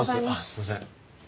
すいません。